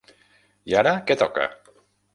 I ara què toca?